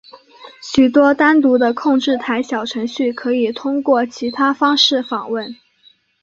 许多单独的控制台小程序可以通过其他方式访问。